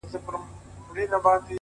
له دې نه مخكي چي ته ما پرېږدې’